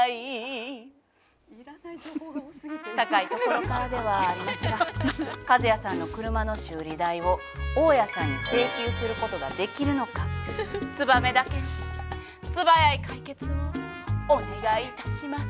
高いところからではありますがカズヤさんの車の修理代を大家さんに請求することができるのかツバメだけに素早い解決をお願いいたします。